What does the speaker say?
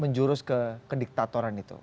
menjurus ke diktatoran itu